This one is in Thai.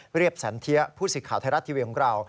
เรียบสันเทียผู้สิทธิ์ข่าวไทยรัฐทีวีของเรา